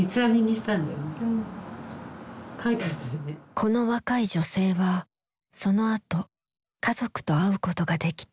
この若い女性はそのあと家族と会うことができた。